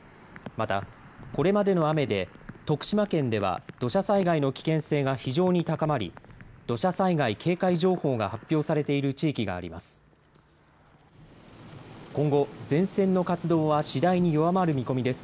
また、これまでの雨で徳島県では土砂災害の危険性が非常に高まり土砂災害警戒情報が発表されている地域があります。